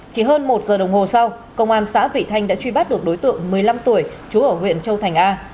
chỉ hơn một giờ đồng hồ sau công an xã vị thanh đã truy bắt được đối tượng một mươi năm tuổi chú ở huyện châu thành a